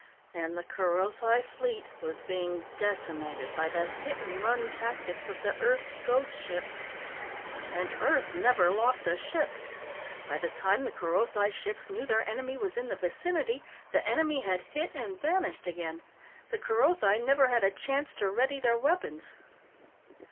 And the Kerothi Fleet was being decimated by the hit and run tactics of the Earth's ghost ships. And Earth never lost a ship; by the time the Kerothi ships knew their enemy was in the vicinity, the enemy had hit and vanished again. The Kerothi never had a chance to ready their weapons.